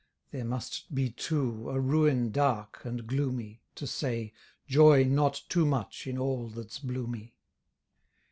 There must be too a ruin dark, and gloomy, To say "joy not too much in all that's bloomy."